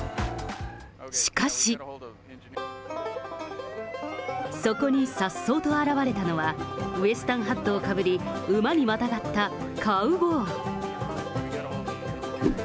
しかし、そこにさっそうと現れたのは、ウエスタンハットをかぶり、馬にまたがったカウボーイ。